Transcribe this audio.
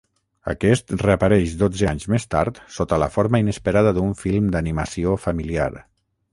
Aquest reapareix dotze anys més tard sota la forma inesperada d'un film d'animació familiar.